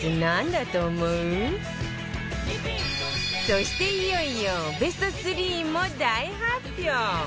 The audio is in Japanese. そしていよいよベスト３も大発表